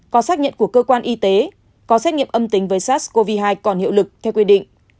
có xác nhận của cơ quan y tế có xét nghiệm âm tính với sars cov hai còn hiệu lực theo quy định